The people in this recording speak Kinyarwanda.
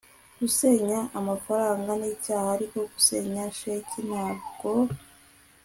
gusenya amafaranga nicyaha, ariko gusenya sheki ntabwo